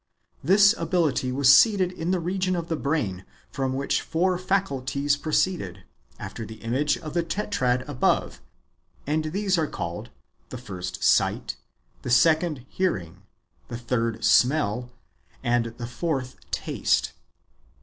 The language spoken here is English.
This ability was seated in the region of the brain, from which four faculties proceed, after the image of the Tetrad above, and these are called : the first, sight, the second, hearing, the third, smell, and the fourth,^ taste.